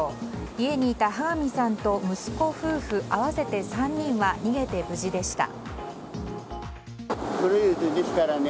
家にいた羽上さんと息子夫婦の合わせて３人は逃げて無事でした。